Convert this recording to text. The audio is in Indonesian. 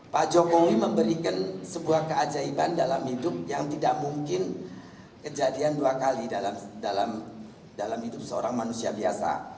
pak jokowi memberikan sebuah keajaiban dalam hidup yang tidak mungkin kejadian dua kali dalam hidup seorang manusia biasa